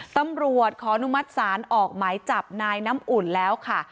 ตำรวจขออนุมัติศาลออกหมายจับนายน้ำอุ่นแล้วค่ะ